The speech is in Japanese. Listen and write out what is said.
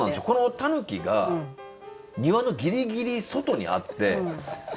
このタヌキが庭のギリギリ外にあって。